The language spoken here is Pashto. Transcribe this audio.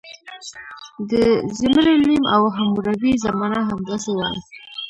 د زیمري لیم او حموربي زمانه همداسې وه.